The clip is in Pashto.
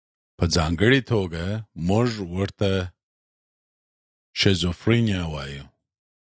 په ځانګړې توګه موږ ورته شیزوفرنیا وایو.